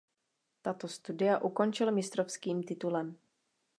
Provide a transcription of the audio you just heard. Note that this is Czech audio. Tato studia ukončil mistrovským titulem.